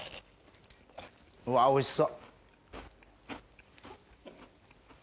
うわおいしそう。